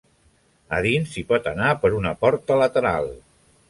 A dins s'hi pot anar per una porta lateral.